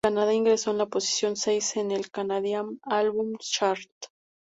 En Canadá, ingresó en la posición seis en el Canadian Albums Chart.